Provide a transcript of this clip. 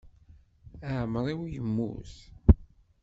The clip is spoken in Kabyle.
Iɛemmer-iw yemmut.